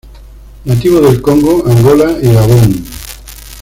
Nativo del Congo, Angola y Gabón.